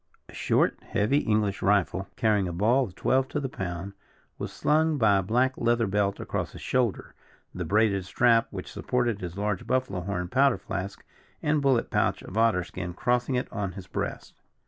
A short, heavy English rifle, carrying a ball of twelve to the pound, was slung by a black leather belt across his shoulder, the braided strap which supported his large buffalo horn powder flask and bullet pouch of otter skin crossing it on his breast.